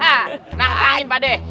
nah ngapain pak de